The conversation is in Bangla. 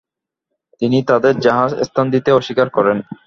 তিনি তাদের জাহাজে স্থান দিতে অস্বীকার করেন।